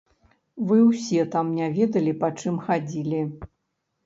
Вы ўсе там не ведалі, па чым хадзілі.